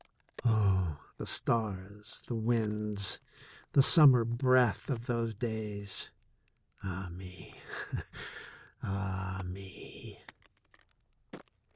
Oh, the stars, the winds, the summer breath of those days ! Ah, me ! Ah, me